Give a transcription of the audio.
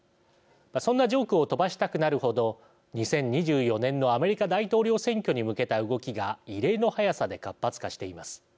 そんなジョークを飛ばしたくなる程、２０２４年のアメリカ大統領選挙に向けた動きが異例の早さで活発化しています。